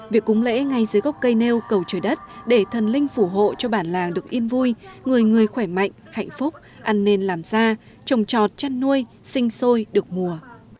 việc cúng lễ ngay dưới gốc cây nêu cầu trời đất để thần linh phủ hộ cho bản làng được yên vui người người khỏe mạnh hạnh phúc ăn nên làm ra trồng trọt chăn nuôi sinh sôi được mùa